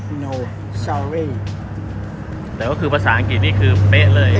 พลังตรีก็คือการฟรั่งเศษ